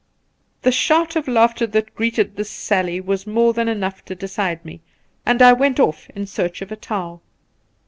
The shout of laughter that greeted this sally was more than enough to decide me, and I went off in search of a towel.